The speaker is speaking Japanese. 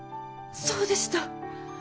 そうでした！